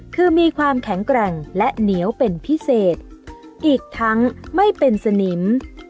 คือมีความแข็งแกร่งและเหนียวเป็นพิเศษอีกทั้งไม่เป็นสนิม